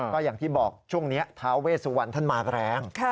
ก็อย่างที่บอกช่วงนี้ท้าเวสวันท่านมาแรง